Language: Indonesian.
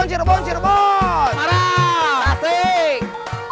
semarang semarang semarang